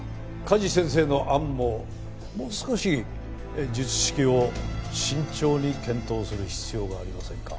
加地先生の案ももう少し術式を慎重に検討する必要がありませんか？